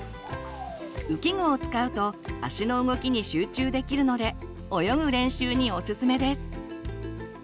浮き具を使うと足の動きに集中できるので泳ぐ練習にオススメです。